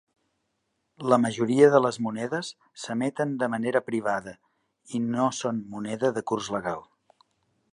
La majoria de les monedes s'emeten de manera privada i no són moneda de curs legal.